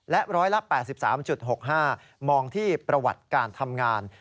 และร้อยละ๘๓๖๕มองที่ประวัติการทำงาน